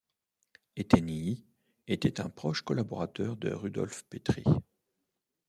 Hetényi était un proche collaborateur de Rudolf Petri.